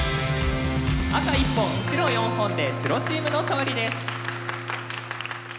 赤１本白４本で白チームの勝利です。